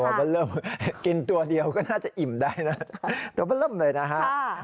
มันเริ่มกินตัวเดียวก็น่าจะอิ่มได้นะตัวมันเริ่มเลยนะฮะ